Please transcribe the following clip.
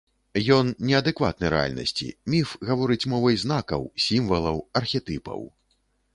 Ён не адэкватны рэальнасці, міф гаворыць мовай знакаў, сімвалаў, архетыпаў.